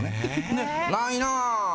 で、ないな。